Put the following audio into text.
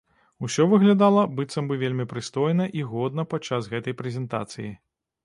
Усё выглядала быццам бы вельмі прыстойна і годна падчас гэтай прэзентацыі.